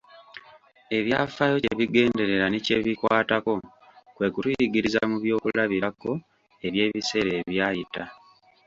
Ebyafaayo kye bigenderera ne bye bikwatako kwe kutuyigiririza mu byokulabirako eby'ebiseera ebyayita.